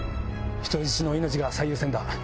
人質の命が最優先だ。